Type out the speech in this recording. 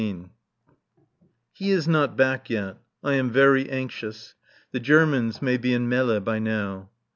_] He is not back yet. I am very anxious. The Germans may be in Melle by now.